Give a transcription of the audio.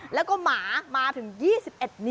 แล้วก็หมามาถึง๒๑นิ้วอะคุณ